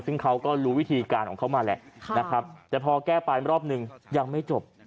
ซึ่งเขาก็รู้วิธีการของเขามาแหละนะครับแต่พอแก้ไปรอบหนึ่งยังไม่จบ